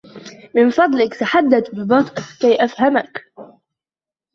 من فضلك تحدث ببطء, كي أفهمك.